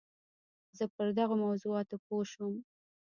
زه پر دغو موضوعاتو پوه شوم.